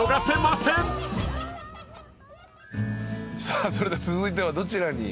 さあそれでは続いてはどちらに？